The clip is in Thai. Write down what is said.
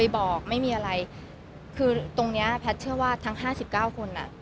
บอกไม่มีอะไรคือตรงเนี้ยแพทย์เชื่อว่าทั้งห้าสิบเก้าคนอ่ะ